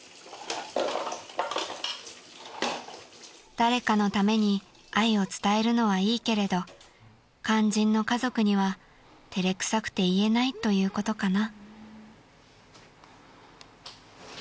［誰かのために愛を伝えるのはいいけれど肝心の家族には照れくさくて言えないということかな？］